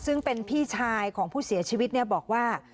ซึ่งเป็นพี่ชายของผู้เสียชีวิตบอกว่า